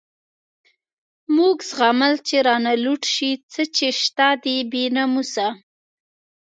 موږ زغمل چی رانه لوټ شی، څه چی شته دی بی ناموسه